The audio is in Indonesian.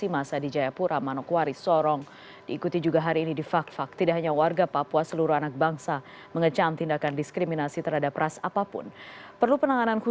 mas juman terima kasih